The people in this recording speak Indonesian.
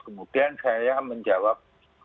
kemudian saya menjawab